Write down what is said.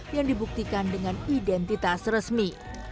yang dibuktikan dengan identitas resmi